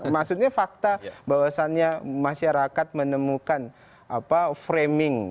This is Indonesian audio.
maksudnya fakta bahwasannya masyarakat menemukan framing